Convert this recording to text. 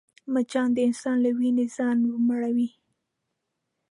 مچان د انسان له وینې ځان مړوي